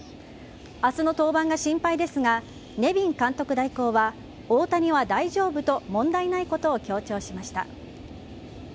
明日の登板が心配ですがネビン監督代行は大谷は大丈夫と問題ないことを強調しました。